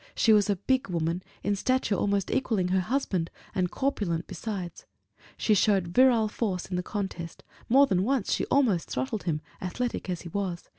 She was a big woman, in stature almost equaling her husband, and corpulent besides; she showed virile force in the contest more than once she almost throttled him, athletic as he was.